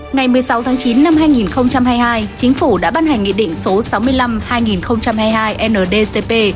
ngày một mươi sáu tháng chín năm hai nghìn hai mươi hai chính phủ đã ban hành nghị định số sáu mươi năm hai nghìn hai mươi hai ndcp